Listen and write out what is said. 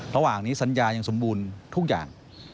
ระหว่างนี้สัญญายังสมบูรณ์ทุกอย่าง